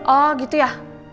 oh gitu ya